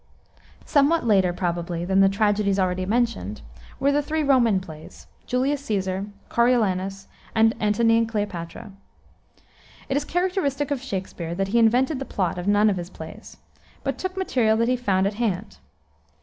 Somewhat later, probably, than the tragedies already mentioned, were the three Roman plays, Julius Caesar, Coriolanus, and Antony and Cleopatra. It is characteristic of Shakspere that he invented the plot of none of his plays, but took material that he found at hand.